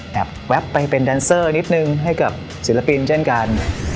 แวบไปเป็นแดนเซอร์นิดนึงให้กับศิลปินเช่นกัน